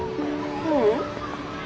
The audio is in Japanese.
ううん。